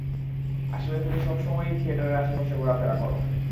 আসলে তুমি সবসময়ই থিয়েটারের আশেপাশে ঘোরাফেরা করো।